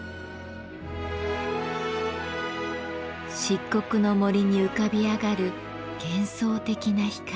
漆黒の森に浮かび上がる幻想的な光。